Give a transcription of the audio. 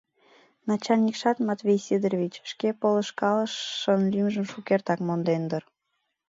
Начальникшат, Матвей Сидорович, шке полышкалышын лӱмжым шукертак монден дыр.